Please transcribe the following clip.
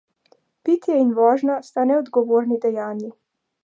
Pitje in vožnja sta neodgovorni dejanji.